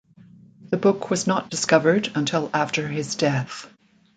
The book was not discovered until after his death.